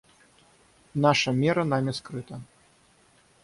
Наша мера нами скрыта.